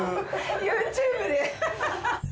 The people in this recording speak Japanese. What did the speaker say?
ＹｏｕＴｕｂｅでハハハ！